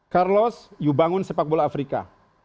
carlos you bangun sepak bola afrika